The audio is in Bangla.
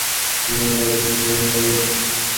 আমাকে হয়তো সিঁড়ি নিতে হবে।